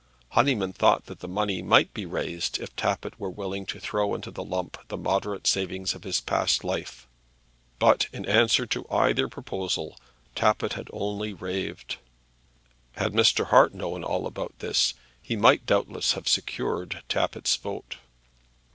Honyman thought that the money might be raised if Tappitt were willing to throw into the lump the moderate savings of his past life. But in answer to either proposal Tappitt only raved. Had Mr. Hart known all about this, he might doubtless have secured Tappitt's vote.